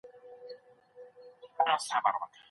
چارواکي به د بیان ازادي ساتي.